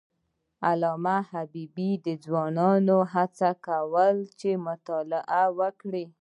علامه حبیبي د ځوانانو هڅونه کوله چې مطالعه وکړي.